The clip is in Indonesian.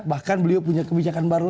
bahkan beliau punya kebijakan baru